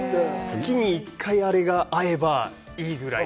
月の１回あれが合えばいいぐらい。